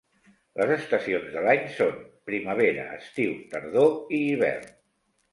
Les estacions de l'any són: primavera, estiu, tardor i hivern.